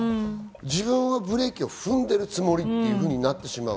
自分はブレーキを踏んでるつもりってなってしまう。